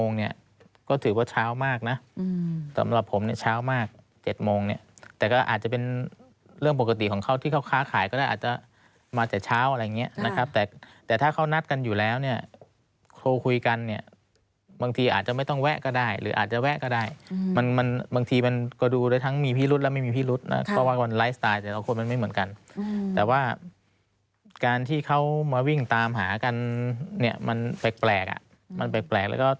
ขายก็ได้อาจจะมาจากเช้าอะไรอย่างเงี้ยนะครับแต่แต่ถ้าเขานัดกันอยู่แล้วเนี้ยโทรคุยกันเนี้ยบางทีอาจจะไม่ต้องแวะก็ได้หรืออาจจะแวะก็ได้อืมมันมันบางทีมันก็ดูได้ทั้งมีพี่รุ๊ดแล้วไม่มีพี่รุ๊ดนะครับเขาว่าก่อนไลฟ์สไตล์แต่ต่อคนมันไม่เหมือนกันอืมแต่ว่าการที่เขามาวิ่งตามหากันเนี้ยมันแปลกแ